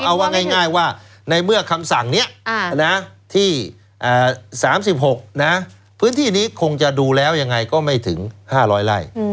เอาว่าง่ายว่าในเมื่อคำสั่งนี้ที่๓๖นะพื้นที่นี้คงจะดูแล้วยังไงก็ไม่ถึง๕๐๐ไร่